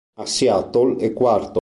A Seattle è quarto.